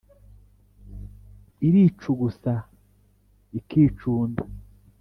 iricugusa ikicunda